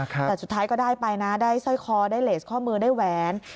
แต่สุดท้ายก็ได้ไปนะได้สร้อยคอได้เลสข้อมือได้แหวน